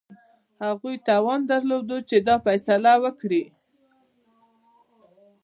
هغوی توان درلود چې دا فیصله وکړي.